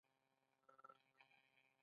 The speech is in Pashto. ټولو تولیدونکو ښه او غوره وسایل نه درلودل.